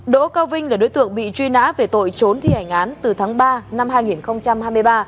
đỗ cao vinh là đối tượng bị truy nã về tội trốn thi hành án từ tháng ba năm hai nghìn hai mươi ba